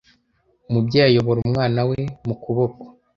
Umubyeyi ayobora umwana we mukuboko.